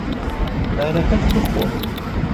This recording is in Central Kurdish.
نانەکەت بخۆ.